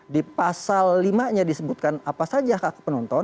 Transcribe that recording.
di pasal lima nya disebutkan apa saja hak hak penonton